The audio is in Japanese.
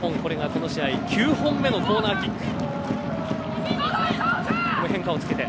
この試合９本目のコーナーキック。